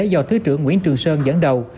do thứ trưởng nguyễn trường sơn dẫn đầu